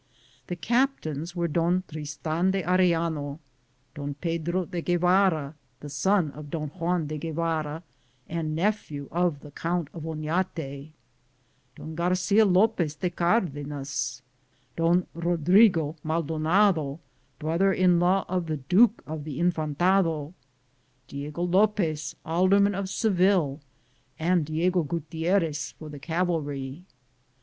The captains were Don Tristan de Arellano; Don Pedro de Guevara, the son of Don Juan de Guevara and nephew of the Count of Onate; Don am Google THE JOURNEY OF CORONADO Garcia Lopez de Cardenas; Don Bodrigo Maldonado, brother in law of the Duke of the Infantado; Diego Lopez, alderman of Seville, and Diego Gutierres, for the cavalry.